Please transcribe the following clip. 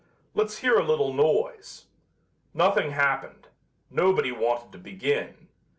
'Let's hear a little noise.' Nothing happened. Nobody wanted to begin.